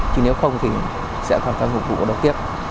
chứ nếu không thì sẽ tham gia ngục vụ có đối tiếp